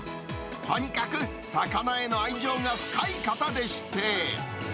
とにかく魚への愛情が深い方でし